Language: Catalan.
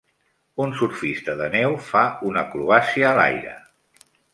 Un surfista de neu fa una acrobàcia a l'aire.